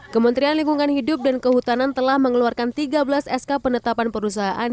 kementerian lingkungan hidup dan kehutanan telah mengeluarkan tiga belas sk penetapan perusahaan